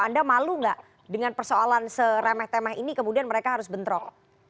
anda malu nggak dengan persoalan seremeh temeh ini kemudian mereka harus bentrok